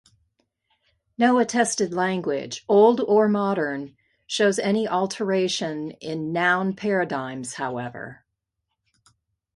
No attested language, old or modern, shows any alternation in noun paradigms, however.